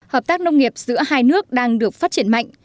hợp tác nông nghiệp giữa hai nước đang được phát triển mạnh